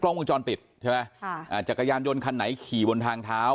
ลวงจรปิดใช่ไหมค่ะอ่าจักรยานยนต์คันไหนขี่บนทางเท้า